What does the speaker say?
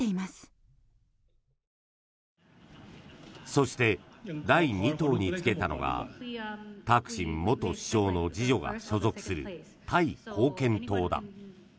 そして、第２党につけたのがタクシン元首相の次女が所属するタイ貢献党だ。